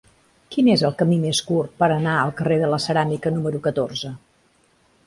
Quin és el camí més curt per anar al carrer de la Ceràmica número catorze?